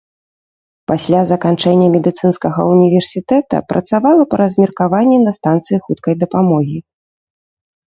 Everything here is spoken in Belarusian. Пасля заканчэння медыцынскага ўніверсітэта працавала па размеркаванні на станцыі хуткай дапамогі.